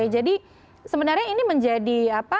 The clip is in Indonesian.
jadi sebenarnya ini menjadi